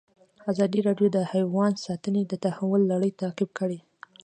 ازادي راډیو د حیوان ساتنه د تحول لړۍ تعقیب کړې.